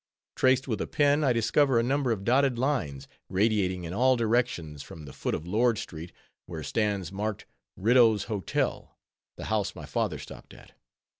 Traced with a pen, I discover a number of dotted lines, radiating in all directions from the foot of Lord street, where stands marked "Riddough's Hotel," the house my father stopped at.